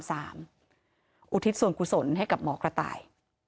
พระรามสามอุทิศส่วนกุศลให้กับหมอกระต่าย